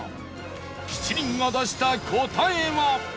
７人が出した答えは